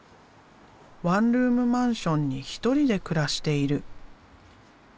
ワンルームマンションに１人で暮らしている。